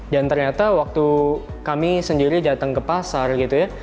dan ternyata waktu kami sendiri datang ke pasar gitu ya